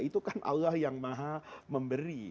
itu kan allah yang maha memberi